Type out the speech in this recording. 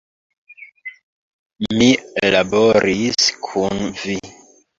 Mi laboris kun vi!